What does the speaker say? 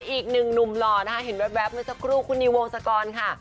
อีกหนึ่งหนุ่มหล่อนะฮะเห็นแว๊บนึงสักรูคุณนี่วงสกรค่ะ